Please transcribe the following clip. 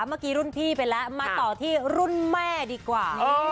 เมื่อกี้รุ่นพี่ไปแล้วมาต่อที่รุ่นแม่ดีกว่า